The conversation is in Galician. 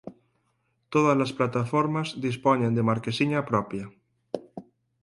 Todas as plataformas dispoñen de marquesiña propia.